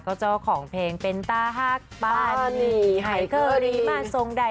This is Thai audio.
ก็เจ้าของเพลงเป็นตาหัก